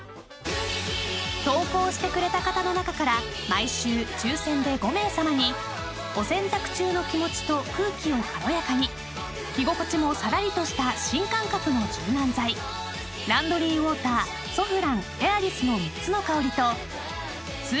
［投稿してくれた方の中から毎週抽選で５名さまにお洗濯中の気持ちと空気を軽やかに着心地もさらりとした新感覚の柔軟剤ランドリーウォーターソフランＡｉｒｉｓの３つの香りとスーパーＮＡＮＯＸ